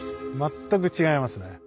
全く違いますね。